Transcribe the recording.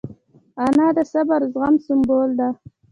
انا د صبر او زغم سمبول ده